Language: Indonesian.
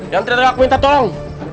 yang ternyata minta tolong